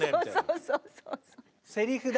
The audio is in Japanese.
そうそうそうそう。